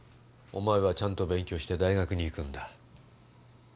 お前はちゃんと勉強して大学に行くんだ。